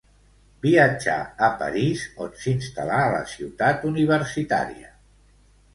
Viatjà a París on s'instal·là a la Ciutat Universitària.